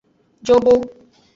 Jobo.